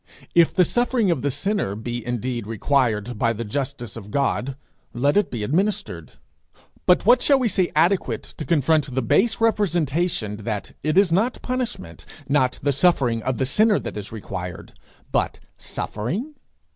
If the suffering of the sinner be indeed required by the justice of God, let it be administered. But what shall we say adequate to confront the base representation that it is not punishment, not the suffering of the sinner that is required, but suffering!